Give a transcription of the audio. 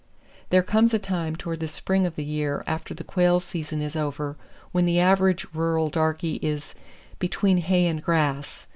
There comes a time toward the spring of the year after the quail season is over when the average rural darky is "between hay and grass."